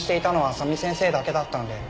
麻美先生だけだったんで。